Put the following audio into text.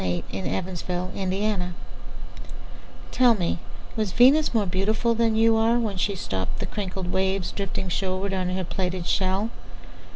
Venus Transiens By Amy Lowell TELL me, Was Venus more beautifulThan you are, When she stoppedThe crinkled waves, Drifting shorewardOn her plaited shell?